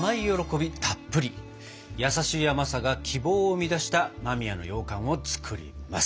優しい甘さが希望を生み出した間宮のようかんを作ります！